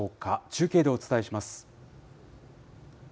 中継でお伝えします。